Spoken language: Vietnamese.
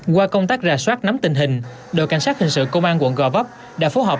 qua công tác rà soát nắm tình hình đội cảnh sát hình sự công an quận gò vấp đã phối hợp